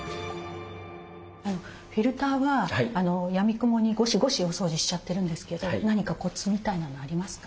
フィルターはやみくもにゴシゴシお掃除しちゃってるんですけど何かコツみたいなのありますか？